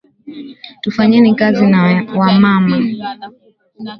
Tufanyeni Kazi na wa mama